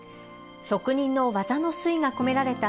職人の技の粋が込められた